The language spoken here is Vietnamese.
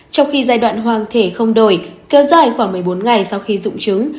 trong khi giai đoạn hoàng thể không đổi kéo dài khoảng một mươi bốn ngày sau khi rụng trứng